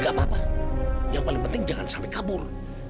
gak apa apa yang paling penting jangan sampai kabur